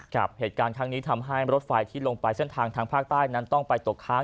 เหตุการณ์ครั้งนี้ทำให้รถไฟที่ลงไปเส้นทางทางภาคใต้นั้นต้องไปตกค้าง